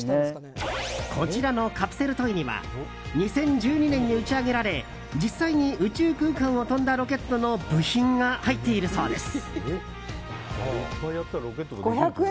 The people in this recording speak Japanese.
こちらのカプセルトイには２０１２年に打ち上げられ実際に宇宙空間を飛んだロケットの部品が入っているそうです。